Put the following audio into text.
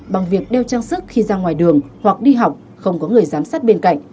bằng việc đeo trang sức khi ra ngoài đường hoặc đi học không có người giám sát bên cạnh